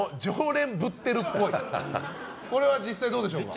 これは実際どうでしょうか？